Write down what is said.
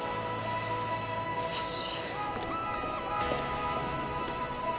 よし。